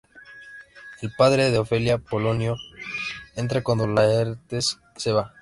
El padre de Ofelia, Polonio, entra cuando Laertes se va.